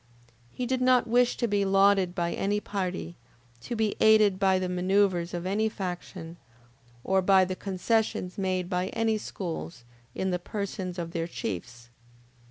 He did not wish to be lauded by any party, to be aided by the manoeuvres of any faction, or by the concessions made by any schools in the persons of their chiefs.